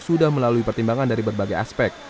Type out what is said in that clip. sudah melalui pertimbangan dari berbagai aspek